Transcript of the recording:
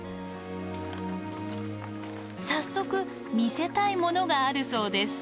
早速見せたいものがあるそうです。